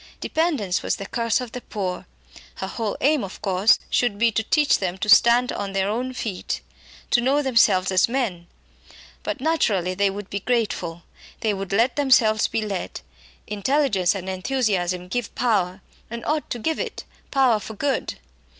Dependence was the curse of the poor. Her whole aim, of course, should be to teach them to stand on their own feet, to know themselves as men. But naturally they would be grateful, they would let themselves be led. Intelligence and enthusiasm give power, and ought to give it power for good.